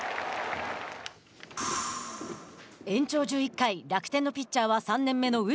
延長１１回楽天のピッチャーは３年目の内。